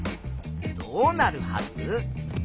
どうなるはず？